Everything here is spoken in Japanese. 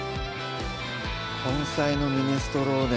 「根菜のミネストローネ」